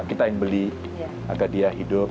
kita yang beli agar dia hidup